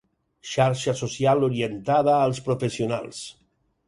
Xarxa social orientada als professionals.